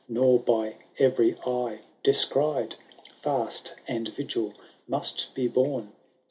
Nor by every eye, descried. Fast and vigil must be borne.